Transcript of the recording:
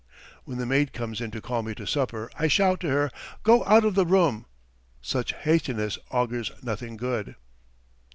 When the maid comes in to call me to supper, I shout to her: "Go out of the room!" Such hastiness augurs nothing good.